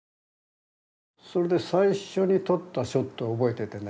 それで最初に撮ったショットを覚えててね。